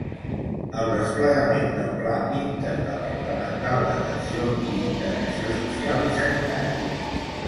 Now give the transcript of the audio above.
El desplegament del Pla interdepartamental d'atenció i interacció social i sanitària.